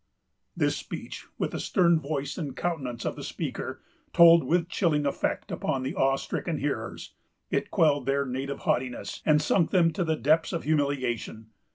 This speech, with the stern voice and countenance of the speaker, told with chilling effect upon the awe stricken hearers. It quelled their native haughtiness, and sunk them to the depths of humiliation.